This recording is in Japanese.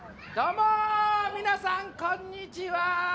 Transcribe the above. どうも皆さんこんにちは！